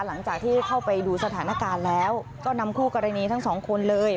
หลังจากที่เข้าไปดูสถานการณ์แล้วก็นำคู่กรณีทั้งสองคนเลย